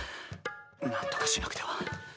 なんとかしなくては。